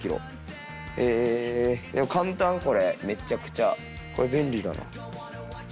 え簡単これめちゃくちゃこれ便利だな。